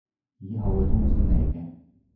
以後會通知你嘅